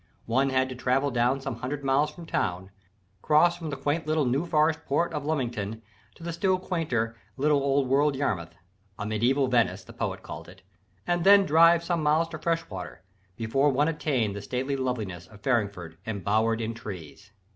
One had to travel down some hundred miles from town, cross from the quaint little New Forest port of Lymington to the still quainter little old world Yarmouth "a mediæval Venice," the poet called it and then drive some miles to Freshwater, before one attained the stately loveliness of Farringford embowered in trees.